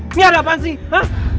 ini ada apaan sih